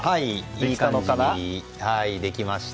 いい感じにできました。